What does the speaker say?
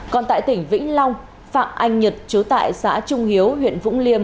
còn tại tỉnh vĩnh long phạm anh nhật chú tại xã trung hiếu huyện vũng liêm